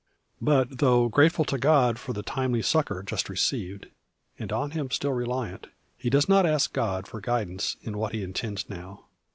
But though grateful to God for the timely succour just received, and on Him still reliant, he does not ask God for guidance in what he intends now.